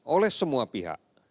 oleh semua pihak